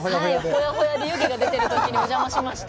ほやほやで湯気が出てるときにお邪魔しました。